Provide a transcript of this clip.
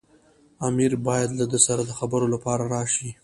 امیر باید له ده سره د خبرو لپاره راشي.